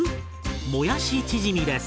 もやしチヂミです。